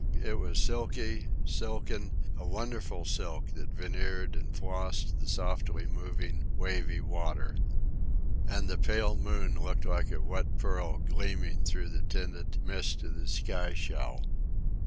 It was silky, silken, a wonderful silk that veneered and flossed the softly moving, wavy water. And the pale moon looked like a wet pearl gleaming through the tinted mist of the sky shell.